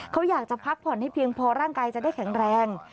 เขาอยากจะพักผ่อนให้เพียงพอร่างกายจะได้แข็งแรง